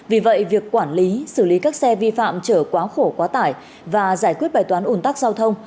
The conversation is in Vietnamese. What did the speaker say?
vì vậy việc quản lý xử lý các xe vi phạm chở quá khổ quá tải và giải quyết bài toán ủn tắc giao thông